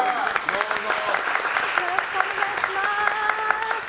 よろしくお願いします。